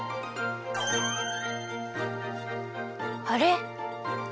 あれ？